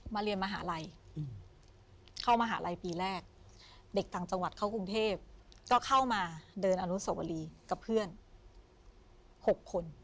เรียนมหาลัยเข้ามหาลัยปีแรกเด็กต่างจังหวัดเข้ากรุงเทพก็เข้ามาเดินอนุสวรีกับเพื่อน๖คน